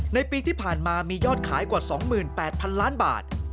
ในปีที่ผ่านมามียอดขายกว่า๒๘๐๐๐ล้านบาท